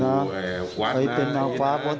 ลูกนั่นแหละที่เป็นคนผิดที่ทำแบบนี้